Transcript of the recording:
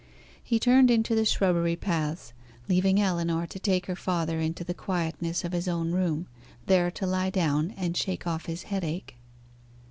He turned into the shrubbery paths, leaving Ellinor to take her father into the quietness of his own room, there to lie down and shake off his headache.